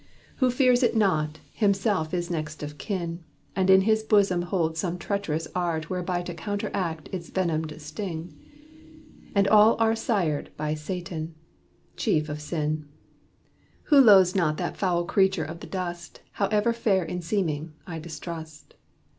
Who fears it not, himself is next of kin, And in his bosom holds some treacherous art Whereby to counteract its venomed sting. And all are sired by Satan Chief of Sin. Who loathes not that foul creature of the dust, However fair in seeming, I distrust.